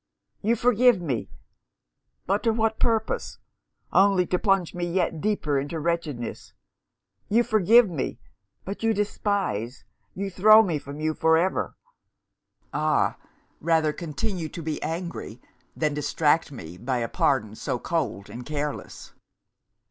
'You forgive me But to what purpose? Only to plunge me yet deeper into wretchedness. You forgive me but you despise, you throw me from you for ever. Ah! rather continue to be angry, than distract me by a pardon so cold and careless!'